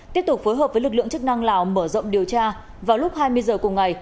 tiếp tục phối hợp với lực lượng chức năng lào mở rộng điều tra vào lúc hai mươi h cùng ngày